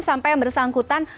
sampai yang bersangkutan